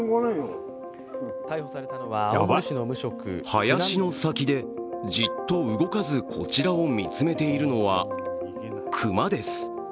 林の先でじっと動かずこちらを見つめているのは熊です。